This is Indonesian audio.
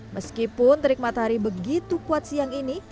meskipun terikmat hari begitu kuat siang ini